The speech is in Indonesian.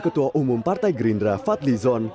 ketua umum partai gerindra fadli zon